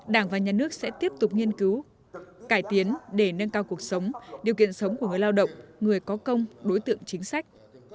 đảng và nhà nước sẽ tiếp tục nghiên cứu cải tiến để nâng cao cuộc sống điều kiện sống của người lao động người có công đối tượng chính sách